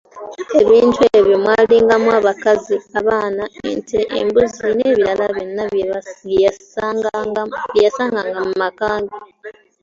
"Ebintu ebyo mwalingamu: abakazi, abaana, ente, embuzi n’ebirala byonna bye yasanganga mu maka ge."